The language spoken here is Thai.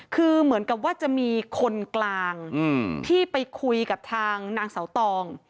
คือเหมือนกับว่าจะมีคนกลางที่ไปคุยกับทางนางเสาตอง